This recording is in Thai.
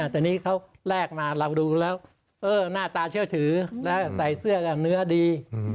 แต่นี้เขาแรกมาเราดูแล้วเออหน้าตาเชี่ยวถือแล้วใส่เสื้อเนื้อดี